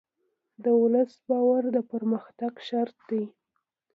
د ولس باور د پرمختګ شرط دی.